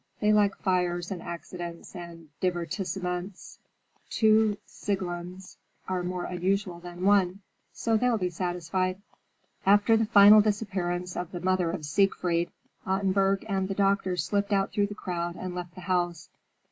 They like fires and accidents and divertissements. Two Sieglindes are more unusual than one, so they'll be satisfied." After the final disappearance of the mother of Siegfried, Ottenburg and the doctor slipped out through the crowd and left the house.